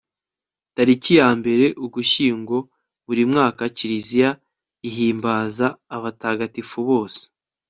tariki ya mbere ugushyingo buri mwaka kiliziya ihimbaza abatagatifu bose